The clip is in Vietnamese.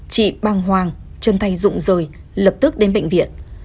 chị băng hoàng chân thay rụng rời lập tức đến bệnh viện